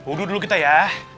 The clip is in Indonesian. uduh dulu kita ya